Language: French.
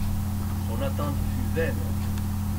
Son attente fut vaine.